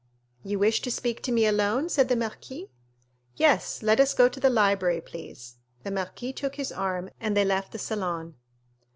"You wish to speak to me alone?" said the marquis. "Yes, let us go to the library, please." The marquis took his arm, and they left the salon.